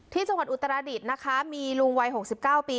ที่จังหวัดอุตรดิษฐ์นะคะมีลุงวัยหกสิบเก้าปี